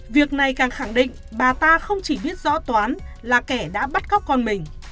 việc này càng khẳng định bà ta không chỉ biết rõ toán là kẻ đã bắt cóc con mình